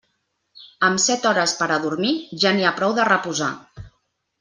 Amb set hores per a dormir, ja n'hi ha prou de reposar.